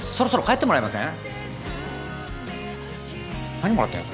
何もらってるの？